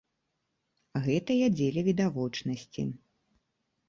Гэта я дзеля відавочнасці.